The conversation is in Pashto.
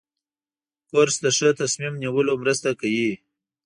کورس د ښه تصمیم نیولو مرسته کوي.